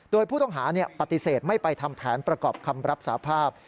โดยผู้ต้องหาปฏิเสธไม่ไปทำแผนประกอบคำรับสาภาพ